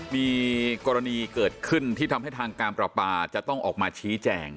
มีกรณีเกิดขึ้นที่ทำให้ทางการประปาจะต้องออกมาชี้แจง